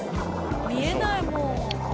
見えないもう。